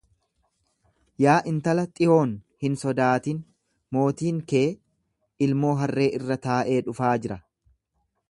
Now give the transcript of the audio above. Yaa intala Xiyoon hin sodaatin, mootiin kee ilmoo harree irra ta’ee dhufaa jira.